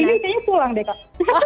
jadi ini kayaknya pulang deh kak